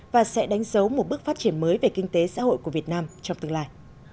và sẽ đánh dấu một bước phát triển mới về kinh tế xã hội của việt nam trong tương lai